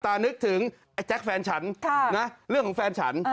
นึกถึงไอ้แจ๊คแฟนฉันนะเรื่องของแฟนฉัน